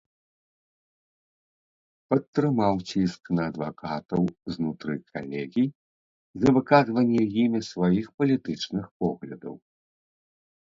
Падтрымаў ціск на адвакатаў знутры калегій за выказванне імі сваіх палітычных поглядаў.